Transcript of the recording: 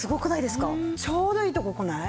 ちょうどいいとこ来ない？